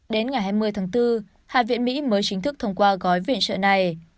đến ngày hai mươi tháng bốn hạ viện mỹ mới chính thức thông qua gói viện trợ này